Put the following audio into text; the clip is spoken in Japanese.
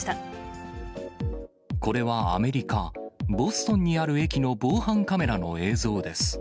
これは、アメリカ・ボストンにある駅の防犯カメラの映像です。